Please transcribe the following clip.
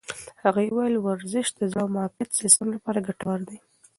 هغې وویل ورزش د زړه او معافیت سیستم لپاره ګټور دی.